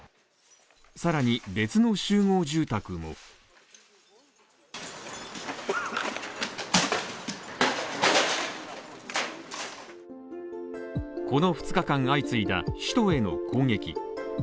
更に別の集合住宅もこの２日間、相次いだ首都への攻撃。